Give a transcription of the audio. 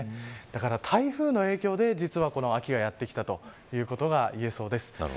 だから台風の影響で、実はこの秋がやってきたということが言えそうです。